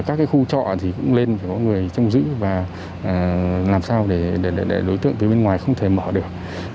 các khu trọ thì cũng lên phải có người trông giữ và làm sao để đối tượng từ bên ngoài không thể mở được